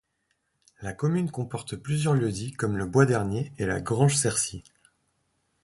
La commune comporte plusieurs lieux-dits comme le Bois dernier et la Grange Sercy.